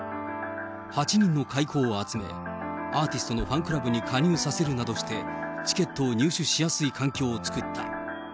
８人の買い子を集め、アーティストのファンクラブに加入させるなどして、チケットを入手しやすい環境を作った。